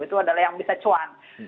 itu adalah yang bisa cuan